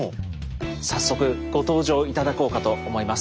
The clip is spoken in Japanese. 早速ご登場頂こうかと思います。